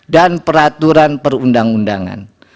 dan peraturan perundang undangan